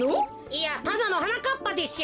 いやただのはなかっぱでしょ。